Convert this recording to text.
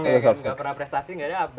nggak pernah prestasi nggak ada upda